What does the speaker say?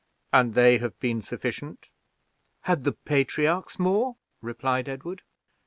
"And they have been sufficient?" "Had the patriarchs more?" replied Edward.